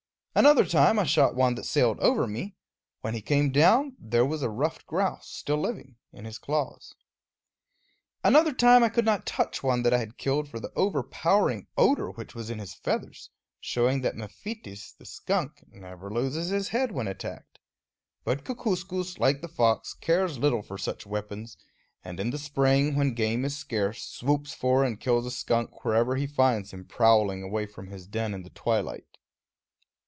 Another time I shot one that sailed over me; when he came down, there was a ruffed grouse, still living, in his claws. Another time I could not touch one that I had killed for the overpowering odor which was in his feathers, showing that Mephitis, the skunk, never loses his head when attacked. But Kookooskoos, like the fox, cares little for such weapons, and in the spring, when game is scarce, swoops for and kills a skunk wherever he finds him prowling away from his den in the twilight.